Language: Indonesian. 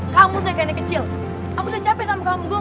kamu tuh yang kayak anak kecil aku udah capek sama kamu gong